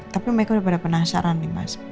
tapi mereka udah pada penasaran nih mas